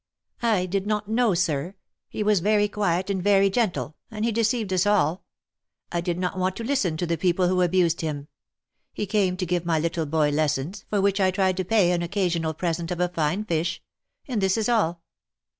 "I did not know, sir — he was very quiet and very gentle ; and he deceived us all. I did not want to listen to the people who abused him. He came to give my little boy lessons, for which I tried to pay by an occasional present of a fine fish. And this is all."